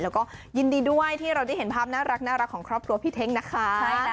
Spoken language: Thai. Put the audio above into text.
แล้วก็ยินดีด้วยที่เราได้เห็นภาพน่ารักของครอบครัวพี่เท้งนะคะ